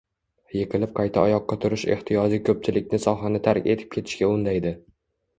Yiqilib qayta oyoqqa turish ehtiyoji ko’pchilikni sohani tark etib ketishga undaydi